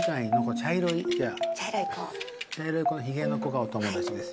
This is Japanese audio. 茶色いこのひげの子がお友達ですよ。